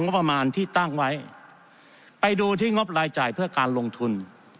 งบประมาณที่ตั้งไว้ไปดูที่งบรายจ่ายเพื่อการลงทุน